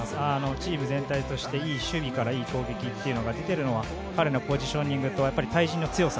チーム全体としていい守備からいい攻撃ができているのは彼のポジショニングとやっぱり、対人の強さ。